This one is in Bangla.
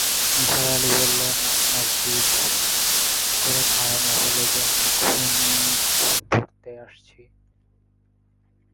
নিসার আলি বললেন, আপনার কী করে ধারণা হল যে আমি খুনী ধরতে এসেছি?